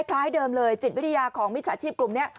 เดิมเลยจิตวิทยาของมิจฉาชีพกลุ่มนี้